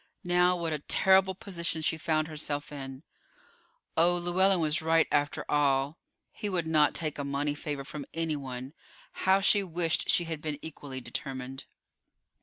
Now what a terrible position she found herself in. Oh, Llewellyn was right after all! He would not take a money favor from anyone. How she wished she had been equally determined.